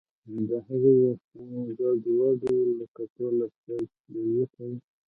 د هغې ویښتان ګډوډ وو لکه ټوله شپه چې ویښه وي